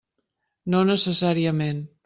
No necessàriament.